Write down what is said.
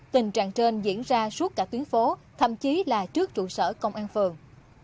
tình trạng trên diễn ra suốt cả tuyến phố thậm chí là trước trụ sở công an phường